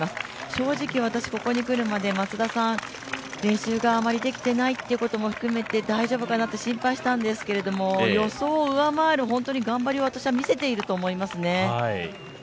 正直、私ここに来るまであまり練習ができていないことを含めて大丈夫かなって心配したんですけど、予想を上回る頑張りを私は見せていると思いますね。